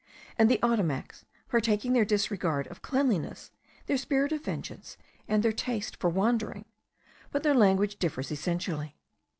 and the Ottomacs, partaking their disregard of cleanliness, their spirit of vengeance, and their taste for wandering; but their language differs essentially.